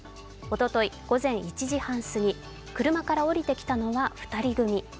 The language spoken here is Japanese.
おととい午前１時半過ぎ車から降りてきたのは２人組。